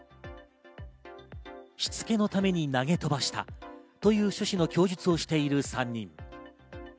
しつけのために投げ飛ばしたという趣旨の供述をしている３人。